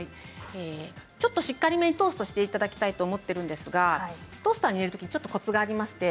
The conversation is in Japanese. しっかりめにトーストしていただきたいと思っているんですがトースターに入れるときにコツがあります。